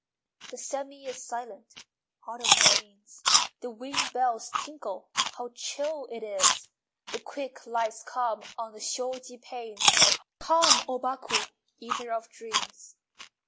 II The sêmi is silent (Autumn rains!) The wind bells tinkle (How chill it is!) The quick lights come On the shoji panes. Come, O Baku, Eater of dreams!